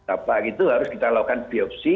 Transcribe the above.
apa itu harus kita lakukan biopsi